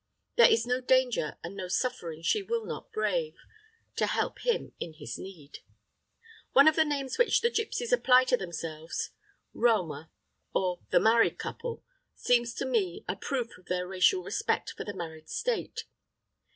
There is no danger and no suffering she will not brave, to help him in his need. One of the names which the gipsies apply to themselves, Rome, or "the married couple," seems to me a proof of their racial respect for the married state.